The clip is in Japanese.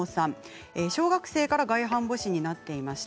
小学生から外反母趾になっていました。